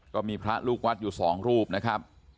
ก็มีพระลูกวัดอยู่สองรูปนะครับ